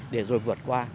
để rồi vượt qua